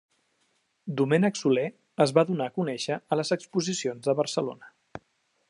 Domènec Soler es va donar a conèixer a les exposicions de Barcelona.